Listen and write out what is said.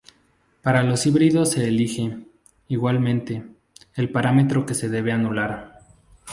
Para los híbridos se elige, igualmente, el parámetro que se debe anular.